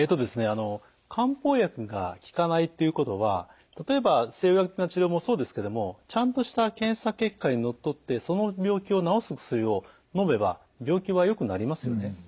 あの漢方薬が効かないということは例えば西洋医学的な治療もそうですけどもちゃんとした検査結果にのっとってその病気を治す薬をのめば病気はよくなりますよね。